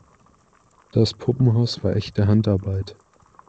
Das Puppenhaus war echte Handarbeit.